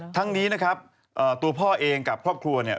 ทั้งนี้นะครับตัวพ่อเองกับครอบครัวเนี่ย